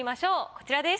こちらです。